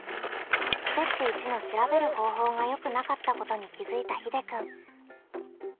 ステップ１の「調べる方法」がよくなかったことに気付いたひでくん。